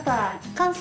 完成？